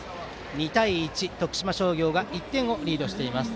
２対１、徳島商業が１点をリードしています。